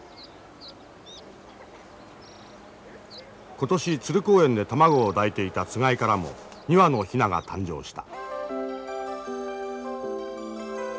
今年鶴公園で卵を抱いていたつがいからも２羽のヒナが誕生した。